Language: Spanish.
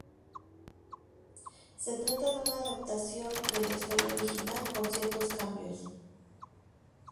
Se trata de una adaptación de la historia original, con ciertos cambios.